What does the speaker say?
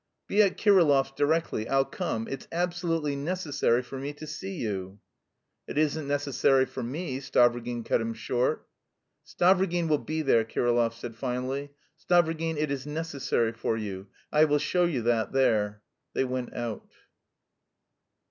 "Be at Kirillov's directly, I'll come.... It's absolutely necessary for me to see you!..." "It isn't necessary for me," Stavrogin cut him short. "Stavrogin will be there," Kirillov said finally. "Stavrogin, it is necessary for you. I will show you that there." They went out.